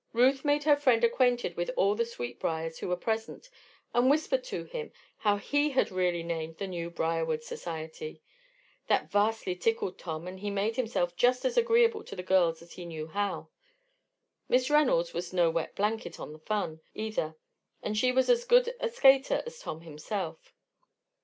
Ruth made her friend acquainted with all the Sweetbriars who were present and whispered to him how he had really named the new Briarwood society. That vastly tickled Tom and he made himself just as agreeable to the girls as he knew how. Miss Reynolds was no wet blanket on the fun, either, and she was as good a skater as Tom himself.